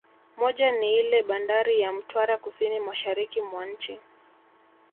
Moja ni iile bandari ya Mtwara kusini mashariki mwa nchi